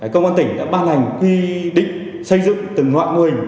công an tỉnh đã ban hành quy định xây dựng từng loại mô hình